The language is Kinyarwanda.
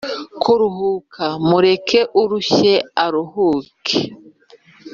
Kuruhuka mureke urushye aruhuke